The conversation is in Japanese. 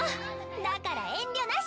だから遠慮なし！